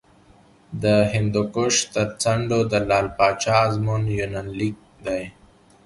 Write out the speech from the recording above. د هندوکش تر څنډو د لعل پاچا ازمون یونلیک دی